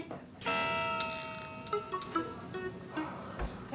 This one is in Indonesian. eros pasti sekarang